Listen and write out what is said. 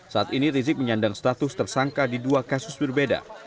saat ini rizik menyandang status tersangka di dua kasus berbeda